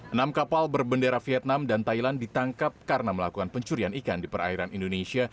enam kapal berbendera vietnam dan thailand ditangkap karena melakukan pencurian ikan di perairan indonesia